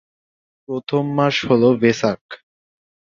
প্রথম মাস হল ভেসাক।